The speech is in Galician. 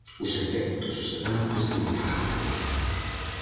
Os efectos sedantes dun fármaco.